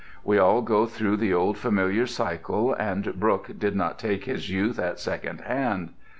We all go through the old familiar cycle, and Brooke did not take his youth at second hand.